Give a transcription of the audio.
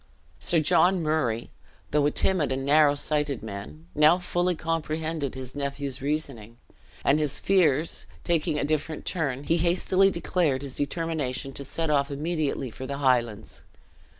Sir John Murray, though a timid and narrow sighted man, now fully comprehended his nephew's reasoning; and his fears taking a different turn, he hastily declared his determination to set off immediately for the Highlands.